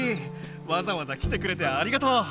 わざわざ来てくれてありがとう。